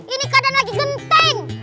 ini kadang lagi genteng